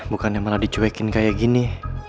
bukannya malah dicuekin kayak gini